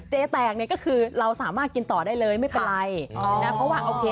เจแตกเนี่ยก็คือเราสามารถกินต่อได้เลยไม่เป็นไร